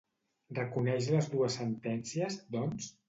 Reconeix les dues sentències, doncs?